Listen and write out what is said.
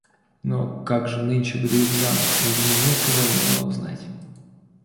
Но как же нынче выдают замуж, княгиня ни от кого не могла узнать.